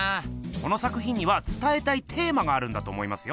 この作品にはつたえたいテーマがあるんだと思いますよ。